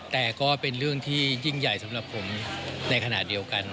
แต่ก็เป็นเรื่องที่ยิ่งใหญ่สำหรับผมในขณะเดียวกัน